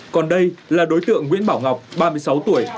còn đây là đối tượng nguyễn bảo ngọc ba mươi sáu tuổi